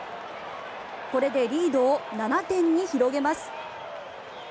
これでリードを７点に広げます。